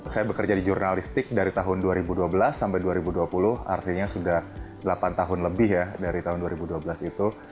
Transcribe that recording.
saya bekerja di jurnalistik dari tahun dua ribu dua belas sampai dua ribu dua puluh artinya sudah delapan tahun lebih ya dari tahun dua ribu dua belas itu